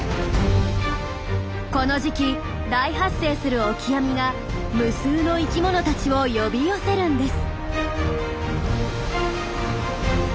この時期大発生するオキアミが無数の生きものたちを呼び寄せるんです。